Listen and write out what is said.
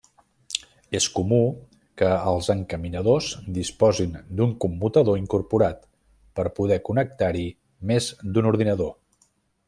És comú que els encaminadors disposin d'un commutador incorporat, per poder connectar-hi més d'un ordinador.